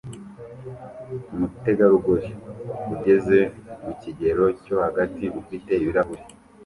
Umutegarugori ugeze mu kigero cyo hagati ufite ibirahure